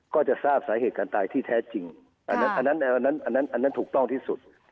ก็จะทราบสาเหตุการตายที่แท้จริงอันนั้นอันนั้นถูกต้องที่สุด